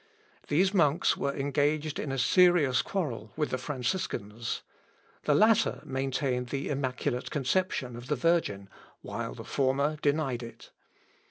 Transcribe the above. These monks were engaged in a serious quarrel with the Franciscans. The latter maintained the immaculate conception of the virgin, while the former denied it.